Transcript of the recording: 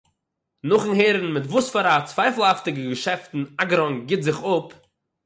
נאכ'ן הערן מיט וואספארא צווייפלהאפטיגע געשעפטן אגראן גיט זיך אפּ